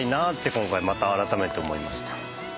今回また改めて思いました。